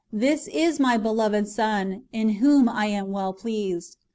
This is my beloved Son, in whom I am well pleased."